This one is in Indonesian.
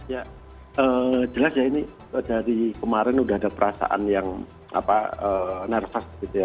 ya jelas ya ini dari kemarin sudah ada perasaan yang narsas gitu ya